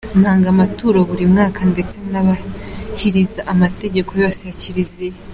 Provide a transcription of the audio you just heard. Ntanga amaturo buri mwaka ndetse nubahiriza amategeko yose ya Kiliziya”.